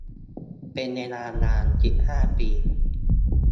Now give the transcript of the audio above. เป็นเวลานาน สิบห้า ปี